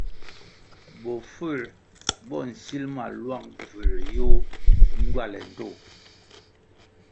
Bofuer bo nsil ma luang bvųer yoh ngywale ndtoh.